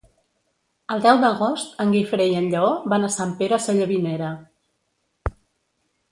El deu d'agost en Guifré i en Lleó van a Sant Pere Sallavinera.